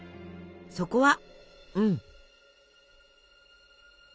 そこはうん」。